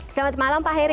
selamat malam pak heri